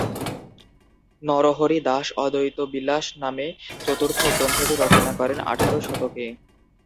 নরহরি দাস অদ্বৈতবিলাস নামে চতুর্থ গ্রন্থটি রচনা করেন আঠারো শতকে।